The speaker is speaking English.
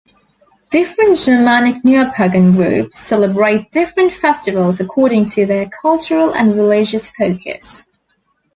Different Germanic Neopagan groups celebrate different festivals according to their cultural and religious focus.